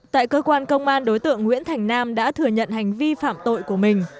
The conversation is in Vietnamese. tại cơ quan công an đối tượng nguyễn thành nam đã thừa nhận hành vi phạm tội của mình